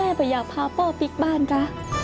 แม่ไม่อยากพาพ่อปิ๊กบ้านค่ะ